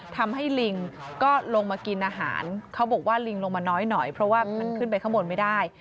ลิงก็ลงมากินอาหารเขาบอกว่าลิงลงมาน้อยหน่อยเพราะว่ามันขึ้นไปข้างบนไม่ได้